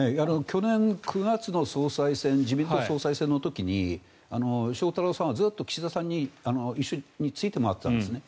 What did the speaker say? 去年９月の自民党総裁選の時に翔太郎さんはずっと岸田さんに一緒について回っていたんですね。